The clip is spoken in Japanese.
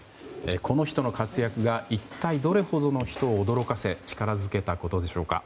この人の活躍が一体どれほどの人を驚かせ力づけたことでしょうか。